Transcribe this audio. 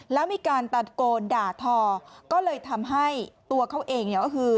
แล้วมีการตะโกนด่าทอก็เลยทำให้ตัวเขาเองเนี่ยก็คือ